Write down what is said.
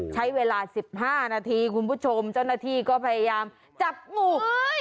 ใช้เวลา๑๕นาทีคุณผู้ชมเจ้าหน้าที่ก็พยายามจับงู